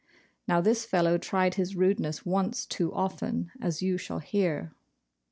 Now this fellow tried his rudeness once too often, as you shall hear.